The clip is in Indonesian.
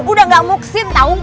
udah gak muxin tau